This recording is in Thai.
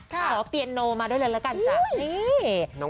ขอเปียโนมาด้วยแล้วกัน